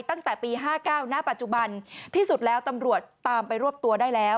ตั้งแต่ปี๕๙ณปัจจุบันที่สุดแล้วตำรวจตามไปรวบตัวได้แล้ว